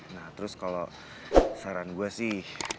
nah terus kalau saran gue sih